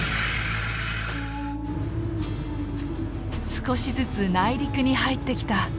少しずつ内陸に入ってきた。